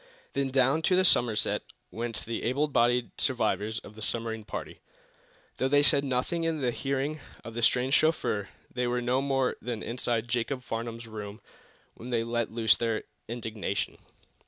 Then down to the Somerset went the able bodied survivors of the submarine party. Though they said nothing in the hearing of the strange chauffeur, they were no more than inside Jacob's Farnum's room when they let loose their indignation.